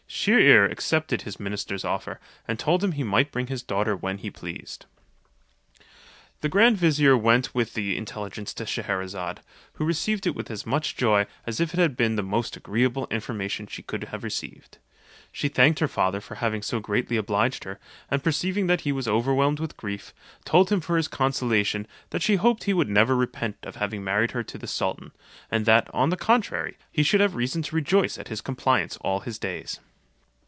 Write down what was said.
Shier ear accepted his minister's offer, and told him he might bring his daughter when he pleased. T'he grand vizicr went with the intelligence to Schcherazade, who received it with as much joy as if it had been the most agreeable information she could have received. She thanked her father for having so greatly obliged her; and perceiving that he was overwhelmed with grief, told him for his consolation, that she hoped he would never repent of having married her to the sultan; and that, on the contrary, he should have reason to rejoice at his compliance all his days.